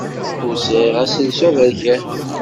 Ur sɛiɣ aselsu aberkan.